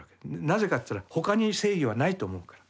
なぜかといったら他に正義はないと思うから。